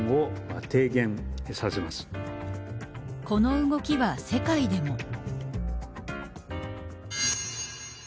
この動きは世界でも。